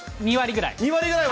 ２割ぐらい。